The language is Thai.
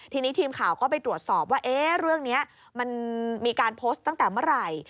ทีนี้ทีมข่าวก็ไปตรวจสอบว่าเรื่องนี้มันมีการโพสต์ตั้งแต่เมื่อไหร่